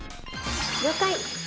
「了解！」